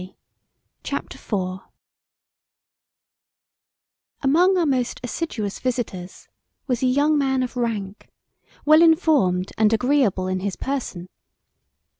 CHAPTER IV Among our most assiduous visitors was a young man of rank, well informed, and agreable in his person.